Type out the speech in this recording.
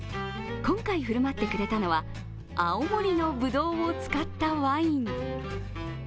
今回振る舞ってくれたのは青森のぶどうを使ったワイン。